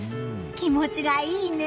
気持ちがいいね。